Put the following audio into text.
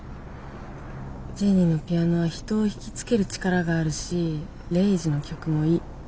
ジュニのピアノは人を惹きつける力があるしレイジの曲もいい。